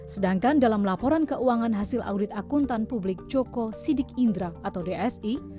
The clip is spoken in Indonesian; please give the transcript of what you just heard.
sedangkan dalam laporan keuangan hasil audit akuntan publik joko sidik indra atau dsi